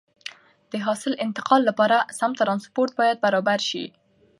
د حاصل انتقال لپاره سم ترانسپورت باید برابر شي.